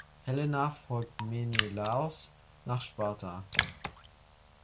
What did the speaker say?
Helena folgt Menelaos nach Sparta.